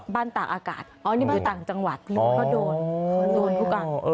บ้านต่างอากาศอ๋อนี่บ้านต่างจังหวัดโดนโดนทุกวัน